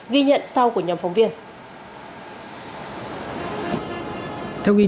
ghi nhận sau của nhóm phóng viên